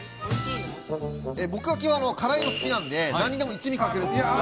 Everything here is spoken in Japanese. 僕は基本辛いのが好きなので何にでも一味をかけるんです。